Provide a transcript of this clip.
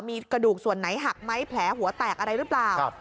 มีกระดูกส่วนไหนหักไหมแผลหัวแตกอะไรหรือเปล่า